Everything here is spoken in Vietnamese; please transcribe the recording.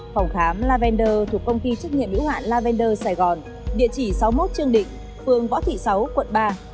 phòng khám lavender thuộc công ty trách nhiệm hữu hạn lavender sài gòn địa chỉ sáu mươi một trương định phường võ thị sáu quận ba